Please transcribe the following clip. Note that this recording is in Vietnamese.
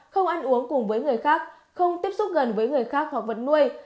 không ăn uống cùng với người khác không tiếp xúc gần với người khác hoặc vật nuôi